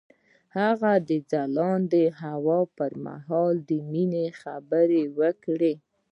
هغه د ځلانده هوا پر مهال د مینې خبرې وکړې.